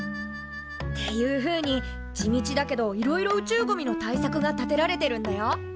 っていうふうに地道だけどいろいろ宇宙ゴミの対策が立てられてるんだよ。